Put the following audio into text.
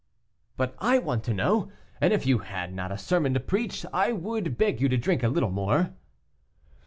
"But I want to know, and if you had not a sermon to preach, I would beg you to drink a little more."